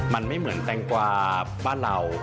มันไม่เหมือนแตงกวาบ้านเรา